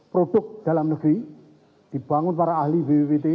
produk dalam negeri dibangun para ahli bppt